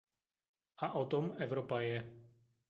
A o tom Evropa je.